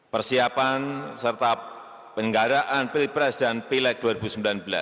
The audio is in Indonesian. persiapan serta penggaraan pilpres dan pileg dua ribu sembilan belas